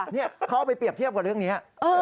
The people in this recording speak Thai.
นี่เขาเอาไปเปรียบเทียบกับเรื่องนี้